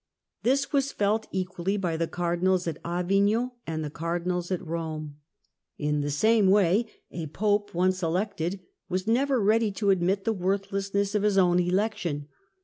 This was felt equally by the Cardinals at Avignon and the Cardinals at Eome. In 116 THE END OF THE MIDDLE AGE the same way a Pope once elected was never ready to admit the worthlessness of his own election.